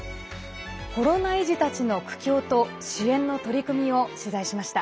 コロナ遺児たちの苦境と支援の取り組みを取材しました。